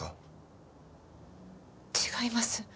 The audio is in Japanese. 違います。